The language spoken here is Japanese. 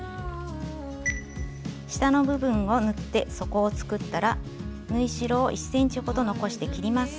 下の部分を縫って底を作ったら縫い代を１ｃｍほど残して切ります。